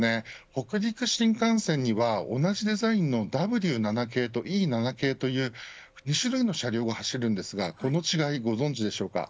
北陸新幹線には同じデザインのＷ７系とＥ７系という２種類の車両が走るんですがこの違い、ご存じでしょうか。